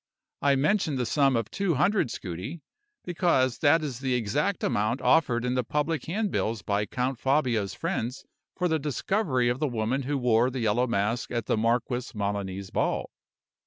I mention the sum of two hundred scudi, because that is the exact amount offered in the public handbills by Count Fabio's friends for the discovery of the woman who wore the yellow mask at the Marquis Melani's ball.